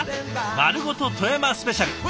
「まるごと富山スペシャル」。